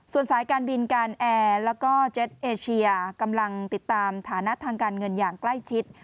ส่วนสายการบินการแอร์แล้วก็เจ็ตเอเชียกำลังติดตามฐานะทางการเงินอย่างใกล้ชิด